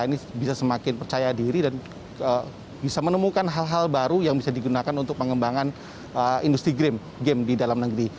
ini bisa semakin percaya diri dan bisa menemukan hal hal baru yang bisa digunakan untuk pengembangan industri game di dalam negeri